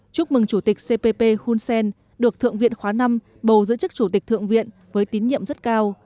chúc mừng chủ tịch cpp hun sen được thượng viện khóa năm bầu giữ chức chủ tịch thượng viện với tín nhiệm rất cao